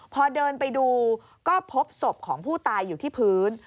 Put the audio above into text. พอเดินไปดูก็พบศพของผู้ตายอยู่ที่พื้น